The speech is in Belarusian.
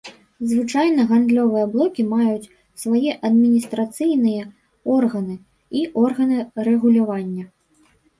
Звычайна гандлёвыя блокі маюць свае адміністрацыйныя органы і органы рэгулявання.